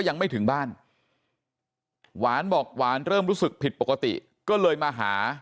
ยังไม่ถึงบ้านหวานบอกหวานเริ่มรู้สึกผิดปกติก็เลยมาหา